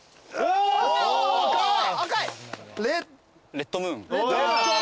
レッドムーン。